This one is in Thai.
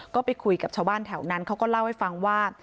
ก็ไปคุยกับชาวบ้านแถวนั้นเขาก็เล่าให้ฟังว่า